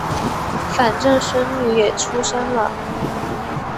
反正孙女也出生了